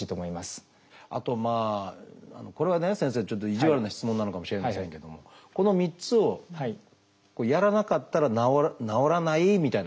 あとまあこれはね先生ちょっと意地悪な質問なのかもしれませんけどもこの３つをやらなかったら治らないみたいなことがあるんですか？